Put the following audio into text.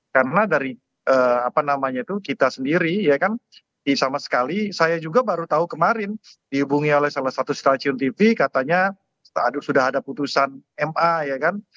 karena dari apa namanya itu kita sendiri ya kan sama sekali saya juga baru tahu kemarin dihubungi oleh salah satu stasiun tv katanya sudah ada putusan ma ya kan